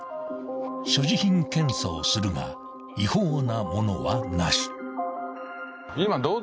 ［所持品検査をするが違法な物はなし］